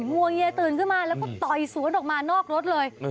งวงเงียตืนคือมาแล้วก็โตยสวนออกมานอกรถเลย